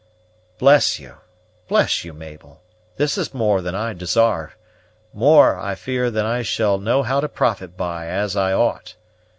"Bless you, bless you, Mabel; this is more than I desarve more, I fear, than I shall know how to profit by as I ought.